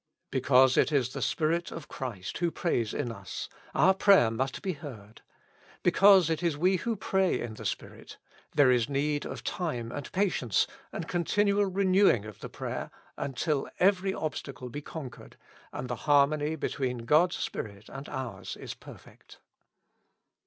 Because it is the Spirit of Christ who prays in us, our prayer must be heard ; because it is we who pray in the Spirit, there is need of time, and patience, and continual renewing of the prayer until every obstacle be conquered, and the harmony between God's Spirit and ours is perfect.